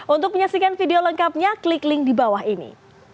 untuk menyaksikan video lengkapnya klik link di bawah ini